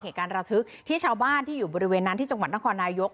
เหตุการณ์ระทึกที่ชาวบ้านที่อยู่บริเวณนั้นที่จังหวัดนครนายก